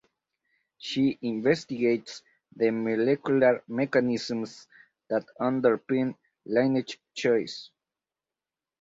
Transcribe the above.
She investigates the molecular mechanisms that underpin lineage choice.